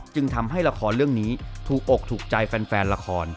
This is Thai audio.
จึงทำให้ละครเรื่องนี้ถูกอกถูกใจแฟนละคร